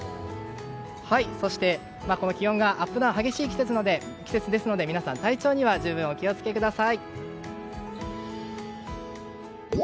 そして、気温のアップダウンが激しい季節ですので皆さん、体調には十分お気を付けください。